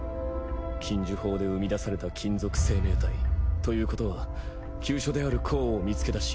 禁呪法で生み出された金属生命体ということは急所であるコアを見つけ出し